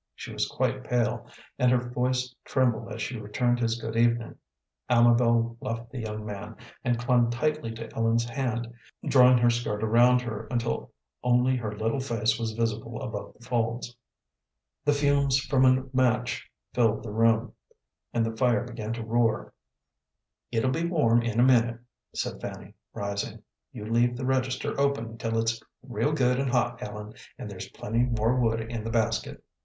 She was quite pale, and her voice trembled as she returned his good evening. Amabel left the young man, and clung tightly to Ellen's hand, drawing her skirt around her until only her little face was visible above the folds. [Illustration: The awkwardness of the situation was evidently overcoming her] The fumes from a match filled the room, and the fire began to roar. "It'll be warm in a minute," said Fanny, rising. "You leave the register open till it's real good and hot, Ellen, and there's plenty more wood in the basket.